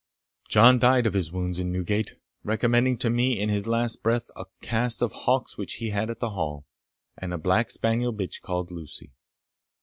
John died of his wounds in Newgate, recommending to me in his last breath, a cast of hawks which he had at the Hall, and a black spaniel bitch called Lucy.